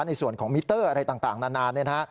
ในส่วนของมิเตอร์อะไรต่างนาน